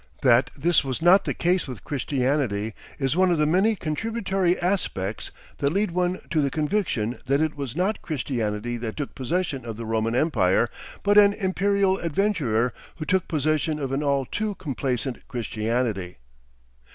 That this was not the case with Christianity is one of the many contributory aspects that lead one to the conviction that it was not Christianity that took possession of the Roman empire, but an imperial adventurer who took possession of an all too complaisant Christianity.